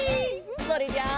それじゃあ。